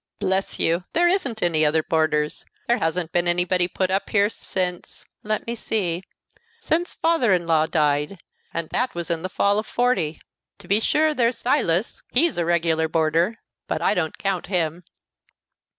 "Bless you! there isn't any other boarders. There hasn't been anybody put up here sence let me see sence father in law died, and that was in the fall of '40. To be sure, there's Silas; he's a regular boarder; but I don't count him."